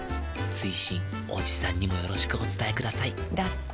追伸おじさんにもよろしくお伝えくださいだって。